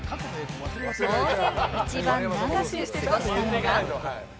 当然、一番長く過ごしたのが。